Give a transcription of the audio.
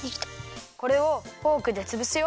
これをフォークでつぶすよ。